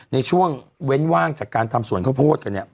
ในช่วงเว้นว่างจากการทำสวนข้าวโพดกันเนี่ย